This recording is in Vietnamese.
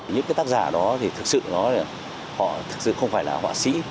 những tác giả đó thì thực sự họ không phải là họa sĩ